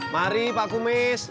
mari pak kumis